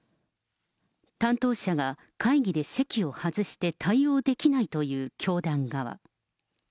担当者が会議で席を外して対応できないという教団側。